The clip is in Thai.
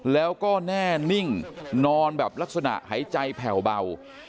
แล้วก็แน่นิ่งนอนแบบลักษณะหายใจแผ่วเบา